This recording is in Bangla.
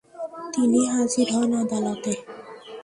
তিনি হাজির হন আদালতে।